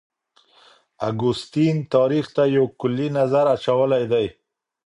اګوستین تاریخ ته یو کلی نظر اچولی دی.